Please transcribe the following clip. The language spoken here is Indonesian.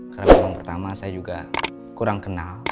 karena pertama saya juga kurang kenal